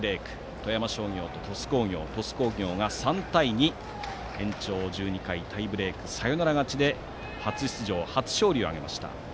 富山商業と鳥栖工業の試合は鳥栖工業が３対２で延長１２回タイブレークサヨナラ勝ちで初出場初勝利を挙げました。